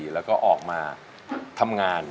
แล้วก็ออกมาทำงาน